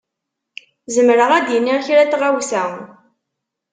Zemreɣ ad d-iniɣ kra n tɣawsa.